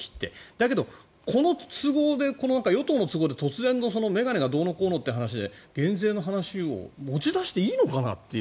だけど、この都合で与党の都合で突然の眼鏡がどうのこうのという話で減税の話を持ち出していいのかなという。